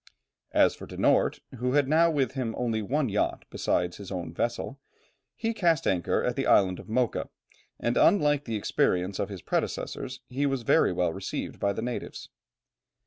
As for De Noort, who had now with him only one yacht besides his own vessel, he cast anchor at the island of Mocha, and, unlike the experience of his predecessors, he was very well received by the natives.